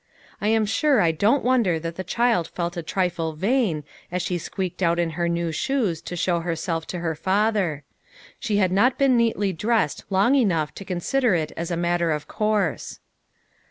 I am sure I don't wonder that the child felt a trifle vain as she squeaked out in her new shoes to show herself to her father. She had not been neatly dressed long enough to consider it as a matter of course.